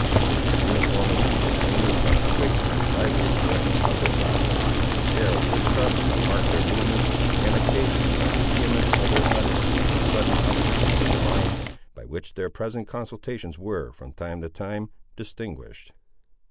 They were uniformly to be distinguished by the quick and lively expression of their eyes, by the air of distrust that marked their movements, and occasionally by the vehemence of their utterance in those sudden outbreakings of the mind, by which their present consultations were, from time to time, distinguished.